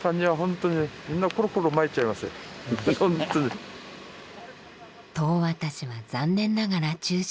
当渡しは残念ながら中止。